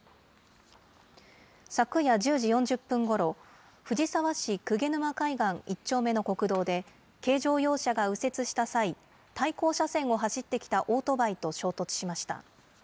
昨夜１０時４０分ごろ、藤沢市鵠沼海岸１丁目の国道で、軽乗用車が右折した際、対向車線を走ってきたオートバイと衝突しました。